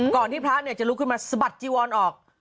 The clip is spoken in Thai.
ที่พระจะลุกขึ้นมาสะบัดจีวรออก